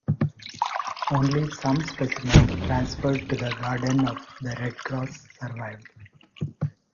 Only some specimen, transferred to the garden of the Red Cross, survived.